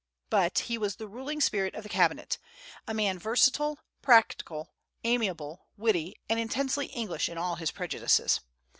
But he was the ruling spirit of the cabinet, a man versatile, practical, amiable, witty, and intensely English in all his prejudices.